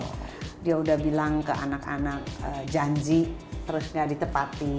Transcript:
kalau bilang ke anak anak janji terus nggak ditepati